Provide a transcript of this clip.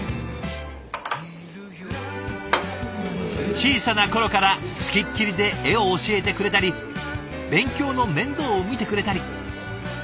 小さな頃から付きっきりで絵を教えてくれたり勉強の面倒を見てくれたり。